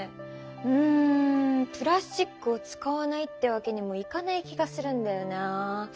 うんプラスチックを使わないってわけにもいかない気がするんだよな。